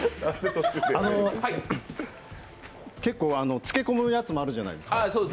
結構、漬け込むやつもあるじゃないですか。